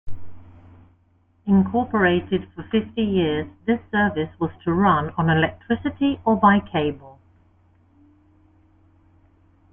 Incorporated for fifty years, this service was to run on electricity or by cable.